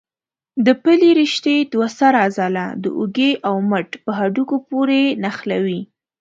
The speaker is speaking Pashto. د پلې رشتې دوه سره عضله د اوږې او مټ په هډوکو پورې نښلوي.